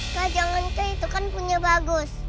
kak jangan kak itu kan punya bagus